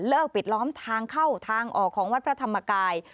ปิดล้อมทางเข้าทางออกของวัดพระธรรมกาย